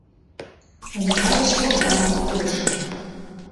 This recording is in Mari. Омса гыч Богданов пурыш.